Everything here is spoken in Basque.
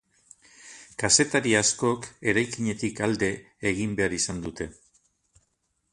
Kazetari askok eraikinetik alde egin behar izan dute.